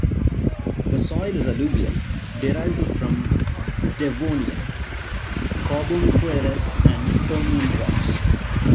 The soil is alluvial, derived from Devonian, Carboniferous and Permian rocks.